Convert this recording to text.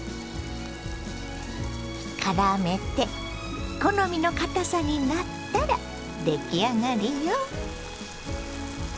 からめて好みのかたさになったら出来上がりよ。